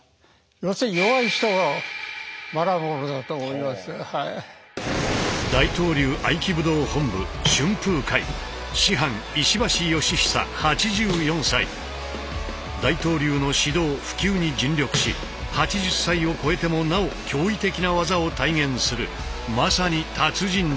要するに大東流の指導普及に尽力し８０歳を超えてもなお驚異的な技を体現するまさに達人だ。